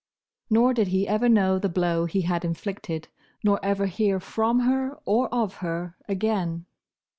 Nor did he ever know the blow he had inflicted, nor ever hear from her, or of her, again.